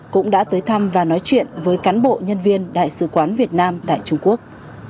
cũng đã tới thăm và nói chuyện với cán bộ nhân viên đại sứ quán việt nam tại trung quốc